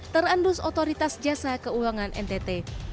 terendus otoritas jasa keuangan ntt